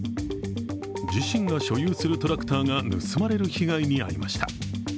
自身が所有するトラクターが盗まれる被害に遭いました。